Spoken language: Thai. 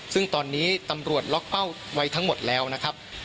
ซึ่งตอนนี้ตำรวจล็อกเป้าไว้ทั้งหมดแล้วนะครับ